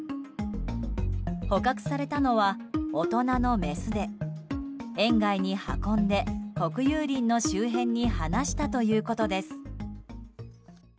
捕獲されたのは大人のメスで園外に運んで国有林の周辺に放したということです。